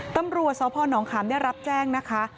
ตำรวจสพนขามได้รับแจ้งนะคะ